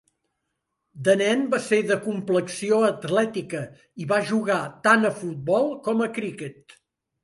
De nen va ser de complexió atlètica, i va jugar tant a futbol com a criquet.